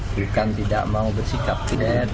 bukan tidak mau bersikap